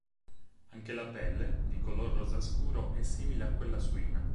Anche la pelle, di color rosa scuro, è simile a quella suina.